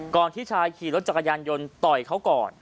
ที่ชายขี่รถจักรยานยนต์ต่อยเขาก่อน